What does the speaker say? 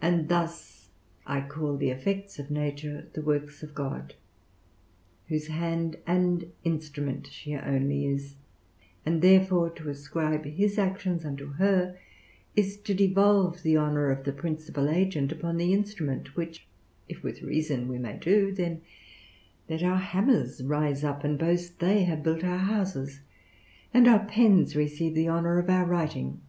And thus I call the effects of nature the works of God, whose hand and instrument she only is; and therefore to ascribe his actions unto her is to devolve the honor of the principal agent upon the instrument; which if with reason we may do, then let our hammers rise up and boast they have built our houses, and our pens receive the honor of our writing.